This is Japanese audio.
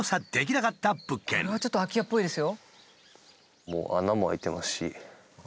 これはちょっと空き家っぽいですよ。